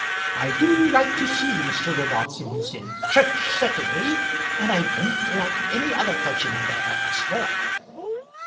I do like to see Mr. Robarts in his own church, certainly; and I don't like any other clergyman there as well.